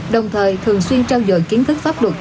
đồng thời thường xuyên trao dồi kiến thức pháp luật